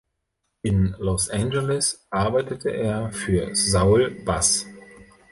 In Los Angeles arbeitete er für Saul Bass.